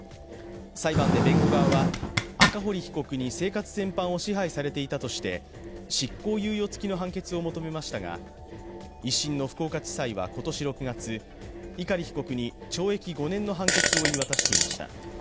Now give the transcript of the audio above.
裁判で弁護側は赤堀被告に生活全般を支配されていたとして執行猶予つきの判決を求めましたが、１審の福岡地裁は今年６月、碇被告に懲役５年の判決を言い渡していました。